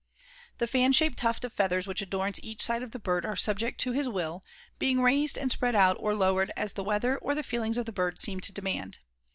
The fan shaped tuft of feathers which adorns each side of the bird are subject to his will, being raised and spread out or lowered as the weather or the feelings of the bird seem to demand.